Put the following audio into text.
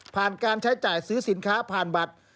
การใช้จ่ายซื้อสินค้าผ่านบัตร